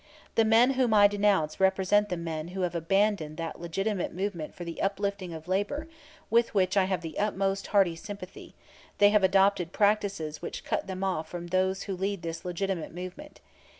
The men whom I denounce represent the men who have abandoned that legitimate movement for the uplifting of labor, with which I have the most hearty sympathy; they have adopted practices which cut them off from those who lead this legitimate movement.